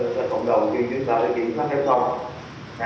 cho cộng đồng khi chúng ta đã kiểm soát f